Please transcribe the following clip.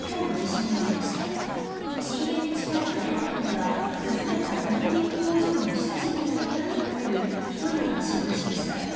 震源に近い花蓮県では崩れたコンクリート工場の下敷きになったとみられる１人が死亡しました。